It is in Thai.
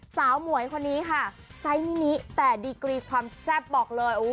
หมวยคนนี้ค่ะไซส์มินิแต่ดีกรีความแซ่บบอกเลย